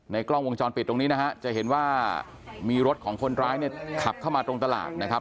กล้องวงจรปิดตรงนี้นะฮะจะเห็นว่ามีรถของคนร้ายเนี่ยขับเข้ามาตรงตลาดนะครับ